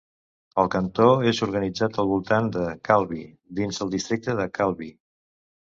El cantó és organitzat al voltant de Calvi dins el districte de Calvi.